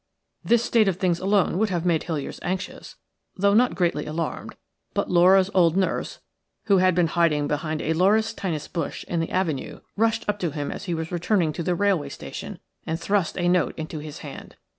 "This state of things alone would have made Hiliers anxious, although not greatly alarmed; but Laura's old nurse, who had been hiding behind a laurustinus bush in the avenue, rushed up to him as he was returning to the railway station and thrust a note into his hand.